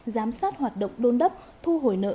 giám sát hoạt động đôn đốc thu hồi nợ